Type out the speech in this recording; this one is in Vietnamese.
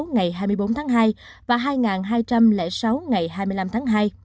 hai bốn trăm sáu mươi sáu ngày hai mươi bốn tháng hai và hai hai trăm linh sáu ngày hai mươi năm tháng hai